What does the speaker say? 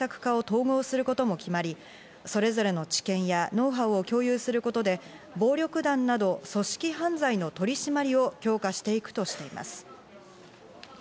また今回の改編で暴力団対策課と薬物銃器対策課を統合することも決まり、それぞれの知見やノウハウを共有することで、暴力団など組織犯罪の取り締まりを強化していくとしています。